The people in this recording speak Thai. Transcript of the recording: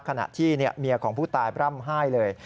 ขณะที่เมียของผู้ตายร่ำไห้เลย